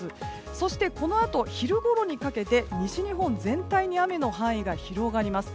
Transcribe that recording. そしてこのあと昼ごろにかけ西日本全体に雨の範囲が広がります。